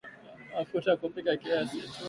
Mafuta ya kupikia kiasi tu